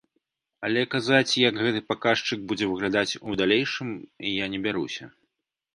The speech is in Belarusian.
Але казаць, як гэты паказчык будзе выглядаць у далейшым, я не бяруся.